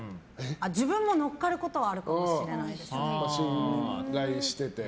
自分も乗っかることはあるかもしれないです。